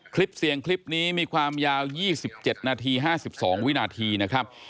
คลิปเสียงคลิปนี้มีความยาว๒๗นาที๕๒วินาทีนะครับ